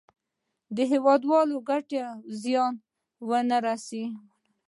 د هېوادوالو ګټو ته زیان ونه رسوي.